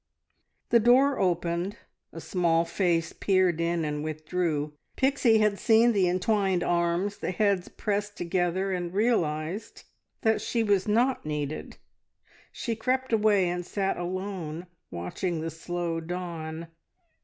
The door opened, a small face peered in and withdrew. Pixie had seen the entwined arms, the heads pressed together, and realised that she was not needed. She crept away, and sat alone watching the slow dawn.